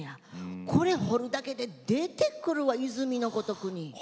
それを掘るだけで出てくるは、泉のごとく。